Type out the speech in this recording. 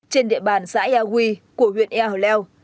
trên địa bàn xã ea huy của huyện ea hồi leo